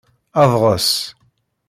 Adɣes.